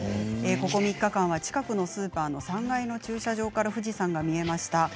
ここ３日間は近くのスーパーの３階の駐車場から富士山が見えました。